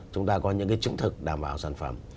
chúng ta có những cái chứng thực đảm bảo sản phẩm